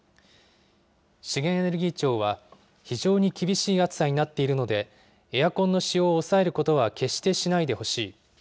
資源エネルギー庁は、非常に厳しい暑さになっているので、エアコンの使用を抑えることは決してしないでほしい。